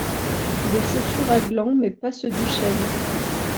Des chaussures à glands mais pas ceux du chêne